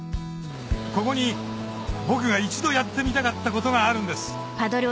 ここに僕が一度やってみたかったことがあるんです